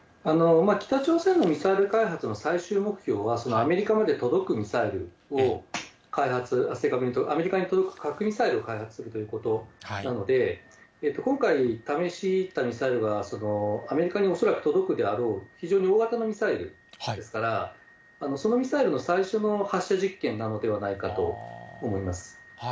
北朝鮮のミサイル開発の最終目標は、アメリカまで届くミサイルを開発、正確に言うと、アメリカに届く核ミサイルを開発するということなので、今回、試したミサイルはアメリカに恐らく届くであろう、非常に大型のミサイルですから、そのミサイルの最初の発射実験なのではないかと思います。